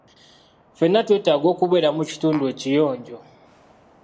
Ffenna twetaaga okubeera mu kitundu ekiyonjo.